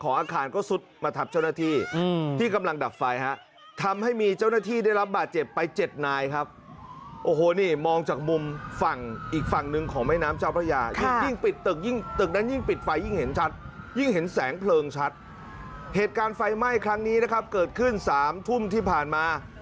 อาคารก็ซุดมาทับเจ้าหน้าที่ที่กำลังดับไฟฮะทำให้มีเจ้าหน้าที่ได้รับบาดเจ็บไปเจ็ดนายครับโอ้โหนี่มองจากมุมฝั่งอีกฝั่งหนึ่งของแม่น้ำเจ้าพระยายิ่งปิดตึกยิ่งตึกนั้นยิ่งปิดไฟยิ่งเห็นชัดยิ่งเห็นแสงเพลิงชัดเหตุการณ์ไฟไหม้ครั้งนี้นะครับเกิดขึ้นสามทุ่มที่ผ่านมา